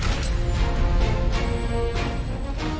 จึงอยู่ระหว่างการตรวจสอบ